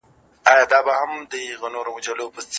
ماشوم له نورو زده کړه کړې وه او تعليم ښه سوی و.